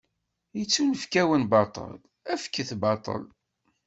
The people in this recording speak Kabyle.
Ittunefk-awen-d baṭel, fket baṭel.